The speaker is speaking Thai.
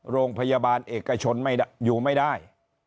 โรงพยาบาลเอกชนไม่ได้อยู่ไม่ได้